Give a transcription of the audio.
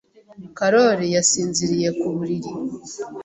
Karoli yasinziriye ku buriri.